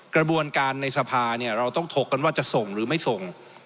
กระบวนการในสภาเนี่ยเราต้องถกกันว่าจะส่งหรือไม่ส่ง